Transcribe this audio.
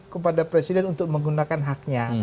kepada presiden untuk menggunakan haknya